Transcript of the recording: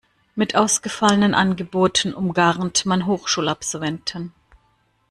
Mit ausgefallenen Angeboten umgarnt man Hochschulabsolventen.